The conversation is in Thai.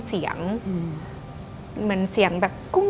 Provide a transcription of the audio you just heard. ดิงกระพวน